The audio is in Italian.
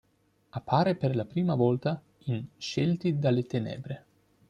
Appare per la prima volta in "Scelti dalle tenebre".